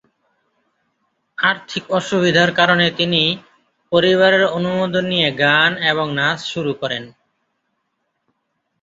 আর্থিক অসুবিধার কারণে, তিনি পরিবারের অনুমোদন নিয়ে গান এবং নাচ শুরু করেন।